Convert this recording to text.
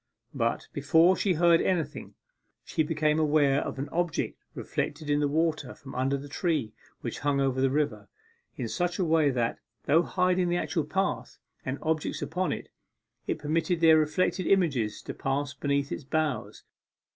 But, before she heard anything, she became aware of an object reflected in the water from under the tree which hung over the river in such a way that, though hiding the actual path, and objects upon it, it permitted their reflected images to pass beneath its boughs.